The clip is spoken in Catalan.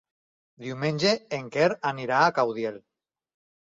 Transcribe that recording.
Diumenge en Quer anirà a Caudiel.